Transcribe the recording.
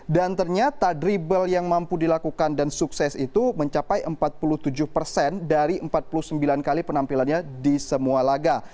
dan ternyata dribble yang mampu dilakukan dan sukses itu mencapai empat puluh tujuh persen dari empat puluh sembilan kali penampilannya di semua laga